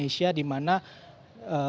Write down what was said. yang sudah ditetapkan menjadi tersangka